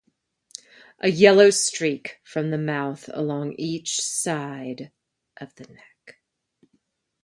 A yellow streak from the mouth along each side of the neck.